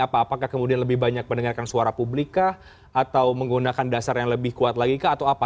apakah kemudian lebih banyak mendengarkan suara publika atau menggunakan dasar yang lebih kuat lagi kah atau apa